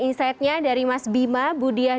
insight nya dari mas bima bu diyah